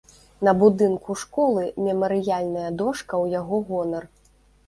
На будынку школы мемарыяльная дошка ў яго гонар.